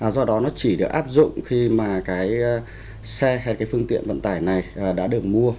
do đó nó chỉ được áp dụng khi mà xe hay phương tiện vận tải này đã được mua